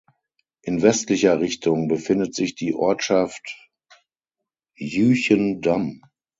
In westlicher Richtung befindet sich die Ortschaft Jüchen-Damm.